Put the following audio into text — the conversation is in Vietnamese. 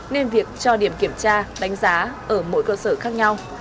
nên việc cho điểm kiểm tra đánh giá ở mỗi cơ sở khác nhau